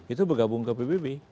itu bergabung ke pbb